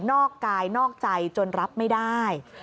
นอกกายนอกใจจนรับไม่ได้